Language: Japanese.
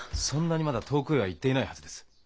そんなにまだ遠くへは行っていないはずです。